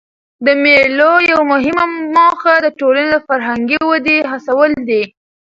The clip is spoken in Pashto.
د مېلو یوه مهمه موخه د ټولني د فرهنګي ودي هڅول دي.